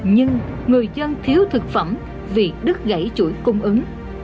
nhưng người dân thiếu thực phẩm vì đứt gãy chuỗi cung ứng